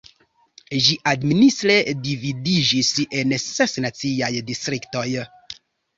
Ĝi administre dividiĝis en ses naciaj distriktoj.